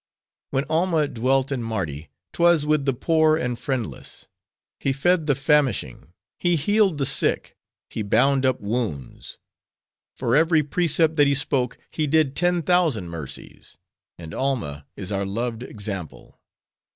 "When Alma dwelt in Mardi, 'twas with the poor and friendless. He fed the famishing; he healed the sick; he bound up wounds. For every precept that he spoke, he did ten thousand mercies. And Alma is our loved example."